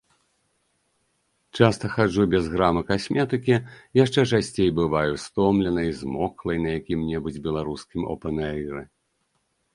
Часта хаджу без грама касметыкі, яшчэ часцей бываю стомленай, змоклай на якім-небудзь беларускім опэн-эйры.